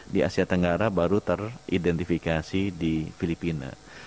di asia tenggara baru teridentifikasi di filipina